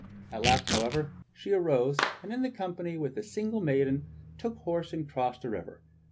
At last, however, she arose, and in company with a single maiden, took horse and crossed the river.